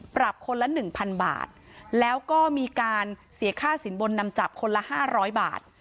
ปรับคนละหนึ่งพันบาทแล้วก็มีการเสียค่าสินบนนำจับคนละห้าร้อยบาท